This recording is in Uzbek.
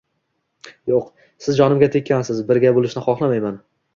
Yoʻq, siz jonimga tekkansiz, birga boʻlishni xohlayman